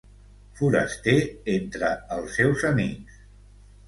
Foraster entre els seus amics